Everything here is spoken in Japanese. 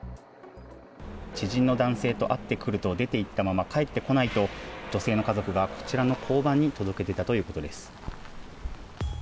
知人の男性と会ってくると出て行ったまま帰ってこないと女性の家族がこちらの交番に届け出たということです。